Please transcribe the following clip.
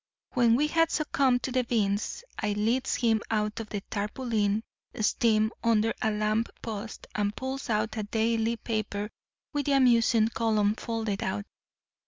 "When we had succumbed to the beans I leads him out of the tarpaulin steam under a lamp post and pulls out a daily paper with the amusement column folded out.